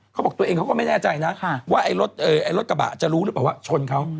เขาบอกตัวเองเขาก็ไม่แน่ใจนะว่ารถกระบะจะรู้หรือเปล่าว่าชนเขา